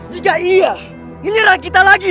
jika ia menyerang kita lagi rai